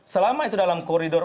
selama itu dalam koridor